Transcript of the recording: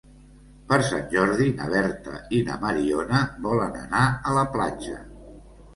Per Sant Jordi na Berta i na Mariona volen anar a la platja.